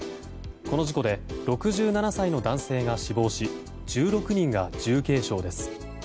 この事故で６７歳の男性が死亡し１６人が重軽傷です。